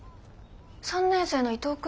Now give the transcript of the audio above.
３年生の伊藤君？